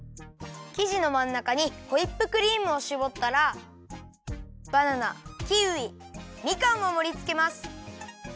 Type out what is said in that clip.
きじのまんなかにホイップクリームをしぼったらバナナキウイみかんをもりつけます。